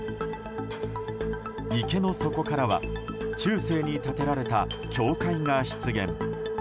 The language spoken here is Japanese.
池の底からは中世に建てられた教会が出現。